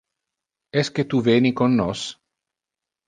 Esque tu veni con nos?